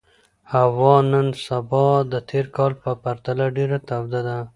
هوا نن سبا د تېر کال په پرتله ډېره توده ده.